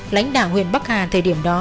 lãnh đạo huyện bắc hà thời điểm đó